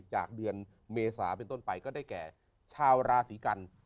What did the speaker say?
จากเดือนเมษาเป็นต้นไปก็ได้แก่ชาวราศีกัน